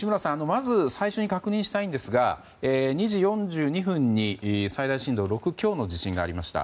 まず最初に確認したいんですが２時４２分に最大震度６強の地震がありました。